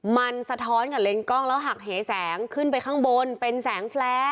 มันสะท้อนกับเลนส์กล้องแล้วหักเหแสงขึ้นไปข้างบนเป็นแสงแฟร์